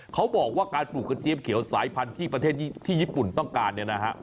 เขาบอกว่าการปลูกกระเจี๊ยบเขียวสายพันธุ์ที่ประเทศที่ญี่ปุ่นต้องการเนี่ยนะฮะ